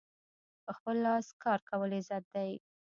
په خپل لاس کار کول عزت دی.